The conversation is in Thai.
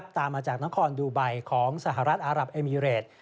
ตามมาจากนครดูไบของสหรัฐอารับเอมิเรต